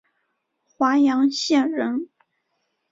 华阳县人。